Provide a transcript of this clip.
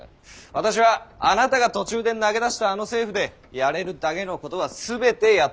私はあなたが途中で投げ出したあの政府でやれるだけのことは全てやったという自負があります。